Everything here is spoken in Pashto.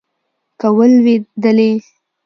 که ولوېدلې